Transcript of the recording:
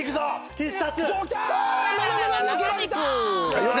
「必殺」